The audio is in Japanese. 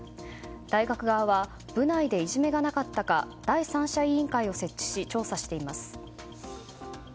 大学側は部内でいじめがなかったか第三者委員会を設置し調査しています。